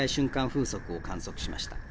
風速を観測しました。